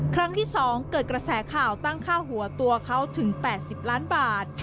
ครั้งที่๒เกิดกระแสข่าวตั้งค่าหัวตัวเขาถึง๘๐ล้านบาท